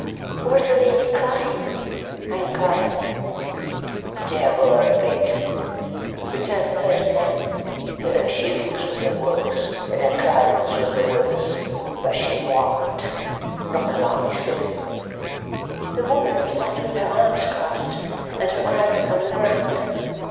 "Was the lady crying?" I inquired. "Devil a bit," returned the first man. "Her shoes was the worse, and her clothes was the worse, but she warn't not as I see." The woman sat with her arms crossed and her eyes upon the ground.